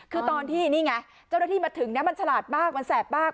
คือตอนที่เจ้าหน้าที่มาถึงชลาดมากแตกมาก